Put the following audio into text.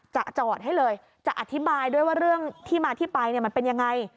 จะจอดให้เลยจะอธิบายด้วยว่าเรื่องที่มาที่ไปมันเป็นยังไง